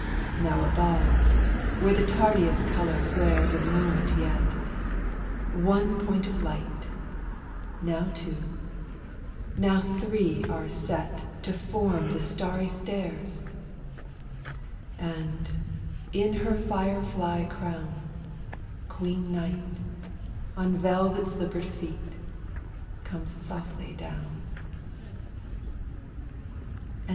Now above where the tardiest color flares a moment yet, One point of light, now two, now three are set To form the starry stairs,— And, in her fire fly crown, Queen Night, on velvet slippered feet, comes softly down.